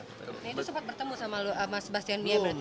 ini sempat bertemu sama lu sama sebastian mia berarti